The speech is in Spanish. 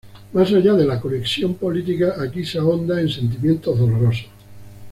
Más allá de la conexión política, aquí se ahonda en sentimientos dolorosos.